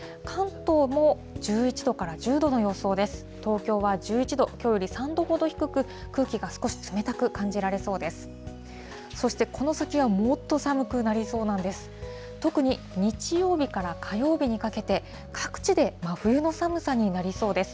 東京は１１度、きょうより３度ほど低く、空気が少し冷たく感じられそうです。